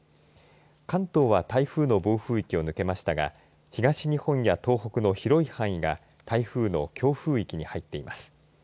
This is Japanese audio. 関東は台風の暴風域を抜けましたが東日本や東北の広い範囲が台風の強風域に入っています。